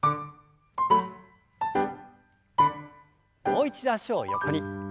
もう一度脚を横に。